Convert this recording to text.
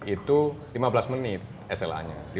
itu lima belas menit sla nya